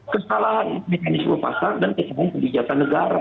kesalahan mekanisme pasar dan kesalahan kebijakan negara